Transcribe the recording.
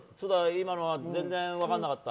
今のは全然分からなかった？